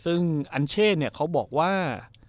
ซึ่งอันเช่เขาบอกว่า